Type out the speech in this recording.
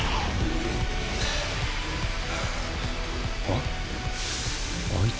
あっ？